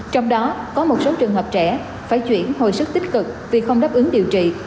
trong đó có một số trường hợp trẻ phải chuyển hồi sức tích cực vì không đáp ứng điều trị